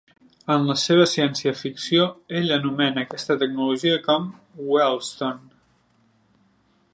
En la seva ciència-ficció, ell anomena aquesta tecnologia com "Wellstone".